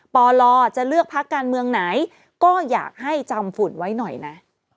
ปลจะเลือกพักการเมืองไหนก็อยากให้จำฝุ่นไว้หน่อยนะ